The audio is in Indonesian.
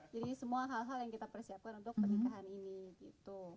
jadi semua hal hal yang kita persiapkan untuk pernikahan ini